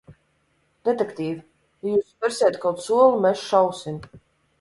Detektīv, ja jūs spersiet kaut soli, mēs šausim!